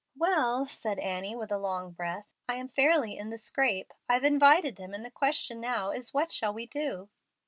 "Well," said Annie, with a long breath, "I am fairly in the scrape. I've invited them, and the question now is, what shall we do?"